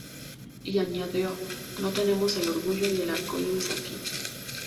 Y añadió: "No tenemos el orgullo y el arco iris aquí.